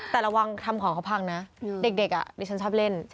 แต่ระวังทำของเขาพังนะเด็กดิฉันชอบเล่น